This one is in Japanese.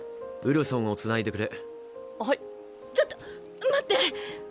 ちょっと待って！